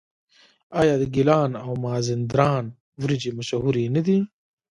آیا د ګیلان او مازندران وریجې مشهورې نه دي؟